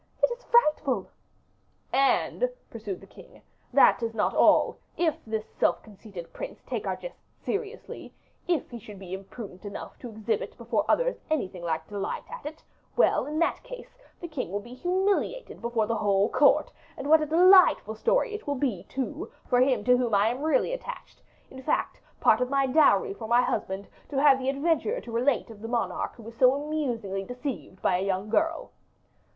it is frightful." "And," pursued the king, "that is not all; if this self conceited prince take our jest seriously, if he should be imprudent enough to exhibit before others anything like delight at it, well, in that case, the king will be humiliated before the whole court; and what a delightful story it will be, too, for him to whom I am really attached, in fact part of my dowry for my husband, to have the adventure to relate of the monarch who was so amusingly deceived by a young girl."